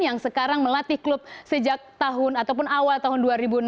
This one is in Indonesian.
yang sekarang melatih klub sejak tahun ataupun awal tahun dua ribu enam belas